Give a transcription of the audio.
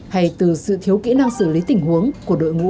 hay từ sự thiếu kỹ năng xử lý tình huống của đội ngũ